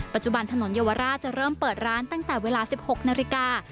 ปัจจุบันถนนเยาวราชจะเริ่มเปิดร้านตั้งแต่เวลา๑๖นาฬิกา